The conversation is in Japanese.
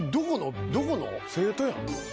生徒やん。